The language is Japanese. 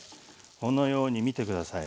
このように見て下さい。